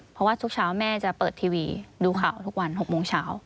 เพราะว่าทุกเช้าแม่จะเปิดทีวีดูข่าวทุกวัน๖โมงเช้า